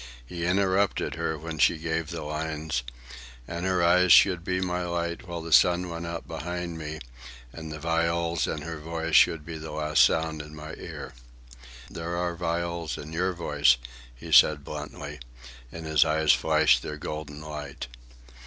He interrupted her when she gave the lines: "And her eyes should be my light while the sun went out behind me, And the viols in her voice be the last sound in my ear." "There are viols in your voice," he said bluntly, and his eyes flashed their golden light.